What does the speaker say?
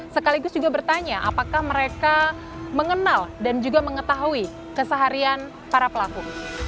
sekaligus juga bertanya apakah mereka mengenal dan juga mengetahui keseharian para pelaku